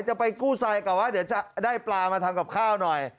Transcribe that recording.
จะไปกู้ไซดกลับว่าเดี๋ยวจะได้ปลามาทำกับข้าวหน่อย